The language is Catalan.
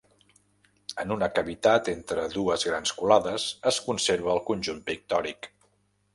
En una cavitat entre dues grans colades es conserva el conjunt pictòric.